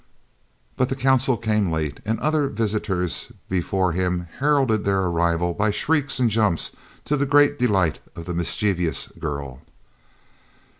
But the Consul came late, and other visitors before him heralded their arrival by shrieks and jumps, to the great delight of the mischievous girl.